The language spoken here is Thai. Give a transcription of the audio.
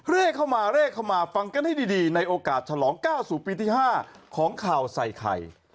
เรียกเข้ามาเร่เข้ามาฟังกันให้ดีในโอกาสฉลองก้าวสู่ปีที่๕ของข่าวใส่ไข่